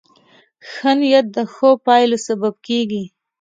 ښه نیت د ښو پایلو سبب کېږي.